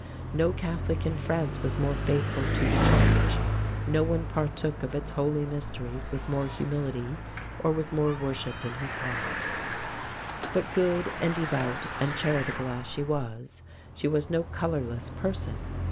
No Catholic in France was more faithful to the church, no one partook of its holy mysteries with more humility or with more worship in his heart. [Illustration: HOUSE IN ORLEANS OCCUPIED BY THE MAID] But good and devout and charitable as she was she was no colorless person.